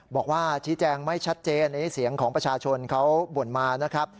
บอกว่าชี้แจงไม่ชัดเจนอันนี้เสียงของประชาชนเขาบ่นมานะครับ